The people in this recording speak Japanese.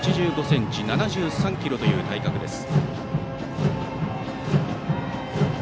１ｍ８５ｃｍ、７３ｋｇという体格です。